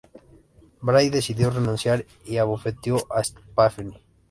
Brie decidió renunciar y abofeteó a Stephanie.